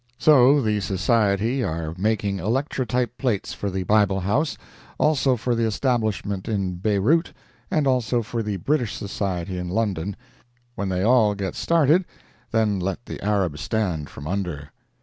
So, the Society are making electrotype plates for the Bible House, also for the establishment in Beirout, and also for the British Society in London. When they all get started, then let the Arabs stand from under.